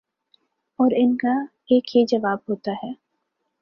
اور ان کا ایک ہی جواب ہوتا ہے